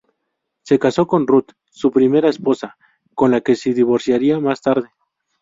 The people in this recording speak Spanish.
Se casó con Ruth, su primera esposa, con la que se divorciaría más tarde.